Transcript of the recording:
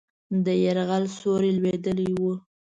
د یرغل سیوری لوېدلی وو.